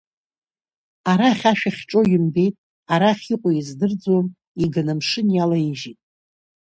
Арахь ашә ахьҿоу имбеит, арахь иҟоу издырӡом, иганы амшын иалаижьит.